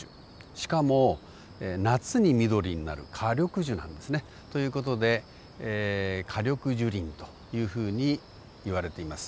しかも夏に緑になる夏緑樹なんですね。という事で夏緑樹林というふうにいわれています。